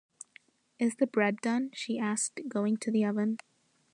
“Is the bread done?” she asked, going to the oven.